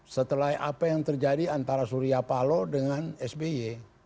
setelah apa yang terjadi antara surya paloh dengan sby